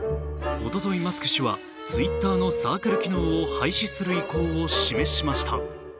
おととい、マスク氏はＴｗｉｔｔｅｒのサークル機能を廃止する意向を示しました。